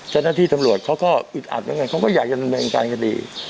ฉะนั้นที่ถังหลวดเขาก็อุดอัดนึงเขาก็อยากจะทำเป็นอังการคดี